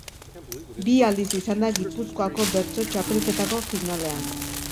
Bi aldiz izan da Gipuzkoako Bertso Txapelketako finalean.